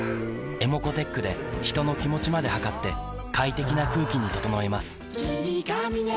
ｅｍｏｃｏーｔｅｃｈで人の気持ちまで測って快適な空気に整えます